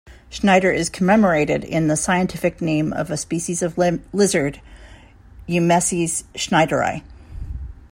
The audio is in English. Schneider is commemorated in the scientific name of a species of lizard, "Eumeces schneideri".